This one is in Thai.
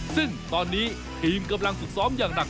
ซึ่งตอนนี้ทีมกำลังฝึกซ้อมอย่างหนัก